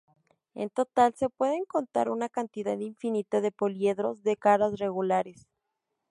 En total, se pueden contar una cantidad infinita de poliedros de caras regulares.